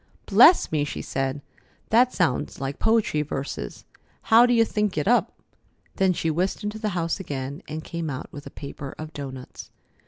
"Bless me!" she said. "That sounds like poetry verses. How do you think it up?" Then she whisked into the house again and came out with a paper of doughnuts.